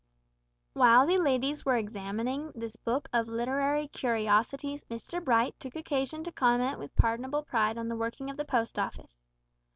While the ladies were examining this book of literary curiosities, Mr Bright took occasion to comment with pardonable pride on the working of the Post Office.